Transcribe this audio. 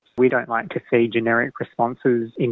kita tidak suka melihat respon generik di surat lamaran